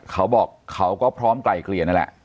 เขาบอกเขาก็พร้อมไกลเกลี่ยนั่นแหละ